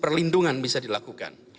perlindungan bisa dilakukan